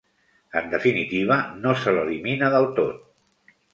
En definitiva, no se l'elimina del tot.